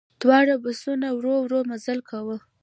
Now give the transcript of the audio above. دواړو بسونو ورو ورو مزل کاوه.